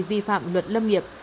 vi phạm luật lâm nghiệp